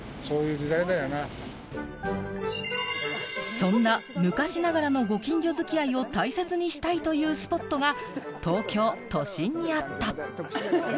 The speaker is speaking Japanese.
そんな昔ながらのご近所づきあいを大切にしたいというスポットが東京都心にあった。